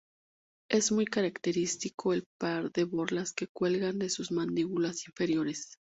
Es muy característico el par de borlas que cuelgan de sus mandíbulas inferiores.